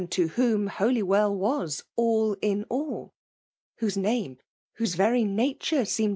to whom Holywell waa all in aU^whwe l^axne, whoso very nature, seemed